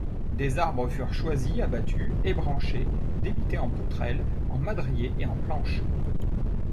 Des arbres furent choisis, abattus, ébranchés, débités en poutrelles, en madriers et en planches.